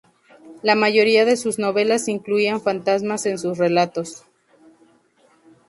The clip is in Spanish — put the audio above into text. La mayoría de sus novelas incluían fantasmas en sus relatos.